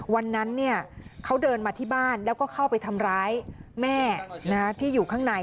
วันนั้นเขาเดินมาที่บ้านแล้วก็เข้าไปทำร้ายแม่ที่อยู่ข้างใน